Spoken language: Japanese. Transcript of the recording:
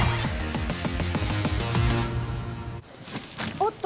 おっと！